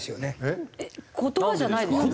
言葉じゃないですもんね。